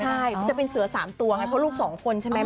ใช่จะเป็นเสือสามตัวไงเพราะลูกสองคนใช่ไหม